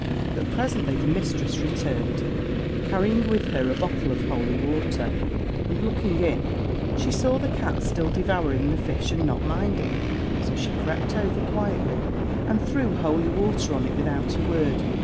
But presently the mistress returned, carrying with her a bottle of holy water; and, looking in, she saw the cat still devouring the fish, and not minding. So she crept over quietly and threw holy water on it without a word.